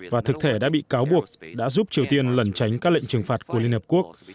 và thực thể đã bị cáo buộc đã giúp triều tiên lần tránh các lệnh trừng phạt của liên hợp quốc